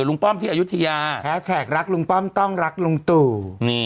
ป้อมที่อายุทยาแฮสแขกรักลุงป้อมต้องรักลุงตู่